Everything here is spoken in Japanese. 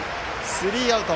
スリーアウト。